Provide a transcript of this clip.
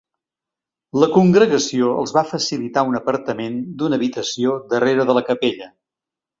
La congregació els va facilitar un apartament d'una habitació darrere de la capella.